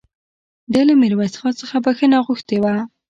ده له ميرويس خان څخه بخښنه غوښتې وه